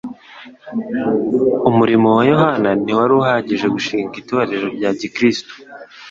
Umurimo wa Yohana ntiwari uhagije gushinga itorero rya gikristo.